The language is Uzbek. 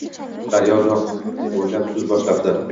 Daryo uzoq o‘ylab, so‘z boshlabdi: